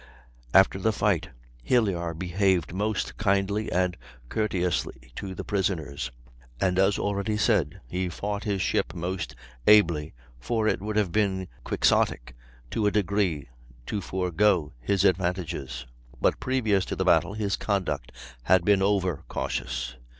After the fight Hilyar behaved most kindly and courteously to the prisoners; and, as already said, he fought his ship most ably, for it would have been quixotic to a degree to forego his advantages. But previous to the battle his conduct had been over cautious.